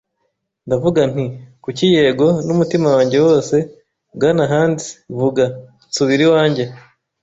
Ndavuga nti: “Kuki, yego, n'umutima wanjye wose, Bwana Hands. Vuga. ” Nsubira iwanjye